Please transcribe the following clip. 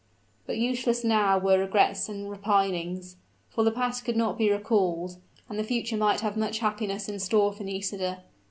But useless now were regrets and repinings; for the past could not be recalled, and the future might have much happiness in store for Nisida.